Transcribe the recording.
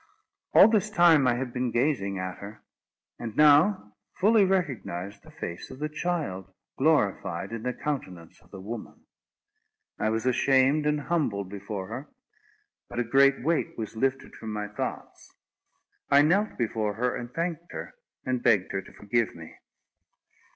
All this time, I had been gazing at her; and now fully recognised the face of the child, glorified in the countenance of the woman. I was ashamed and humbled before her; but a great weight was lifted from my thoughts. I knelt before her, and thanked her, and begged her to forgive me.